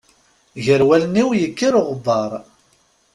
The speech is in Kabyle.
Gar wallen-iw yekker uɣebbaṛ.